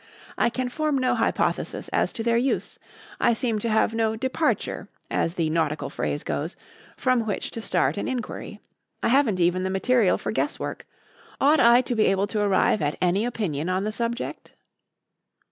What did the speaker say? I can form no hypothesis as to their use. I seem to have no 'departure,' as the nautical phrase goes, from which to start an inquiry. I haven't even the material for guess work. Ought I to be able to arrive at any opinion on the subject?"